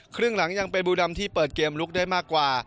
ครึ่งหลังยังเป็นบูดำที่เปิดเกมลุกได้มากกว่า